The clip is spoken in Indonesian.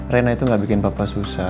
rena itu gak bikin papa susah